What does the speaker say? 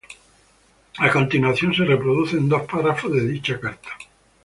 A continuación se reproducen dos párrafos de dicha carta.